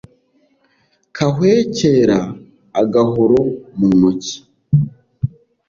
Kahwekera Agahoro mu ntoki